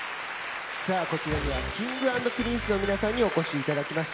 こちらにはＫｉｎｇ＆Ｐｒｉｎｃｅの皆さんにお越しいただきました。